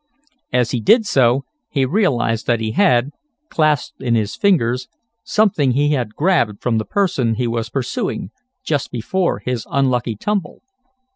As he did so he realized that he had, clasped in his fingers, something he had grabbed from the person he was pursuing just before his unlucky tumble.